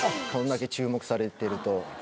こんだけ注目されてると。